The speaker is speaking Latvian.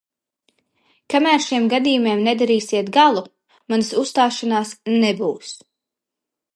Kamēr šiem gadījumiem nedarīsiet galu, manas uzstāšanās nebūs!